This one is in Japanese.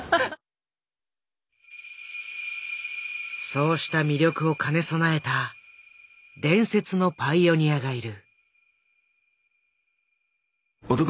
そうした魅力を兼ね備えた伝説のパイオニアがいる。